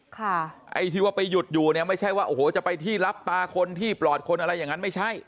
ไอ้ที่ว่าไปหยุดอยู่เนี่ยไม่ใช่ว่าโอ้โหจะไปที่รับตาคนที่ปลอดคนอะไรอย่างนั้นไม่ใช่